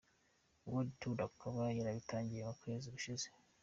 World Tour akaba yarabitangiye mu kwezi gushize.